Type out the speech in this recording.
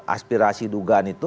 aspirasi dugaan itu